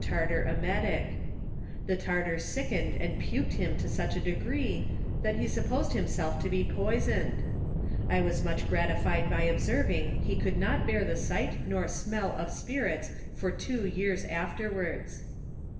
%7 tartar emetic. The tartar sickened and puked him to such a degree, that he supposed himself to be poisoned. I was much gratified by observing he could not bear the sight nor smell of spirits, for two years afterwards.